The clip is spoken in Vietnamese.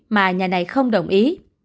mà nhà này không đồng ý